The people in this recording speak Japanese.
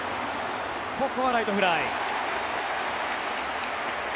ここはライトフライ。